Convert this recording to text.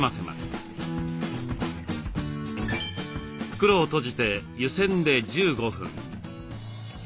袋を閉じて湯せんで１５分。